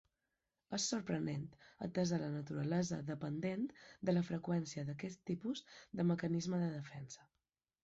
És sorprenent atesa la naturalesa dependent de la freqüència d'aquest tipus de mecanisme de defensa.